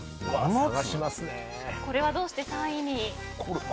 これはどうして３位に？